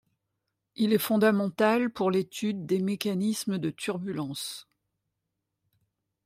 Il est fondamental pour l'étude des mécanismes de turbulence.